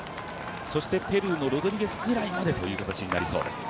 そしてペルーのロドリゲスぐらいまでとなりそうです。